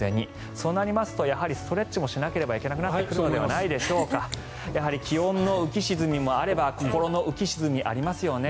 そうなりますと、やはりストレッチもしなければならなくなってくるのではないでしょうかやはり気温の浮き沈みもあれば心の浮き沈みもありますよね。